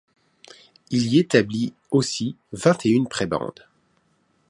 Il y établit aussi vingt et une prébendes.